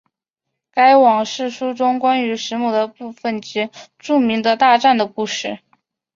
该往世书中关于时母的部分即著名的大战的故事。